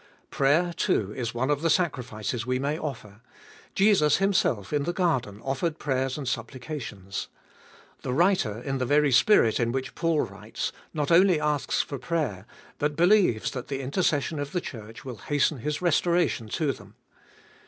Prayer, too, is one of the sacrifices we may offer; Jesus Himself in the garden offered prayers and supplications. The writer, in the very spirit in which Paul writes, not only asks for prayer, but believes that the intercession of the Church will hasten his restoration to them.